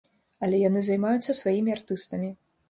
Але яны займаюцца сваімі артыстамі.